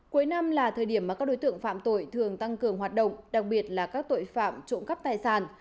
cuối năm là thời điểm mà các đối tượng phạm tội thường tăng cường hoạt động đặc biệt là các tội phạm trộm cắp tài sản